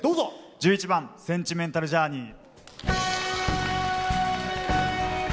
１１番「センチメンタル・ジャーニー」。